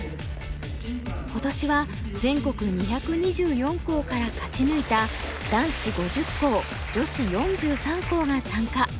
今年は全国２２４校から勝ち抜いた男子５０校女子４３校が参加。